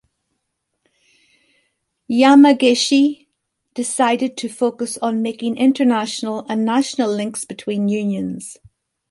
Yamagishi decided to focus on making international and national links between unions.